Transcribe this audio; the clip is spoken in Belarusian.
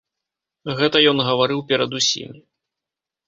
Гэта ён гаварыў перад усімі.